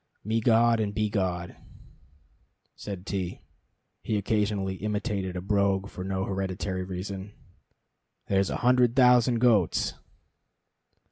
"Megod and Begod," said T (he occasionally imitated a brogue for no hereditary reason), "there's a hundred thousand goats!"